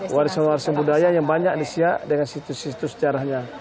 warisan warisan budaya yang banyak di siak dengan situs situs jarahnya